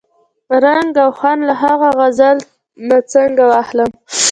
رنګ او خوند له ها غزل نه څنګه واخلم؟